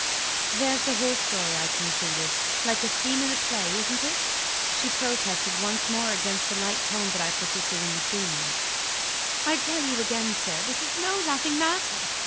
"There's the whole story," I concluded. "Like a scene in a play, isn't it?" She protested once more against the light tone that I persisted in assuming. "I tell you again, sir, this is no laughing matter.